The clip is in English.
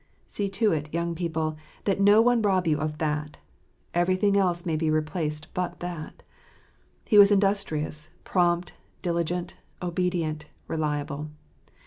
See to it, young people, that no 'one rob you of that: everything else may be replaced but that! He was industrious, prompt, diligent, obedient, reliable.